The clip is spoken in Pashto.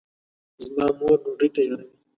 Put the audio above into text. زما مور ډوډۍ تیاروي